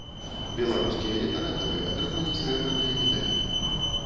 Беларускія літаратары атрымалі срэбраныя медалі.